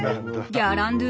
ギャランドゥ。